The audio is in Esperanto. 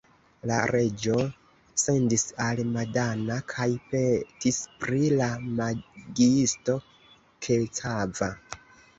La reĝo sendis al Madana kaj petis pri la magiisto Kecava.